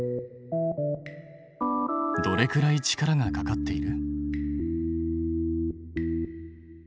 どれくらい力がかかっている？